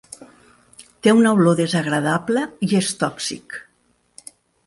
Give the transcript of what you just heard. Té una olor desagradable i és tòxic.